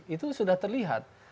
itu sudah terlihat